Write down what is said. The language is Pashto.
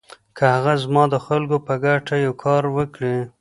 که هغه زما د خلکو په ګټه یو کار وکړي.